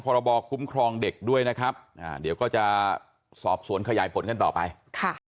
พรบคุ้มครองเด็กด้วยนะครับอ่าเดี๋ยวก็จะสอบสวนขยายผลกันต่อไปค่ะ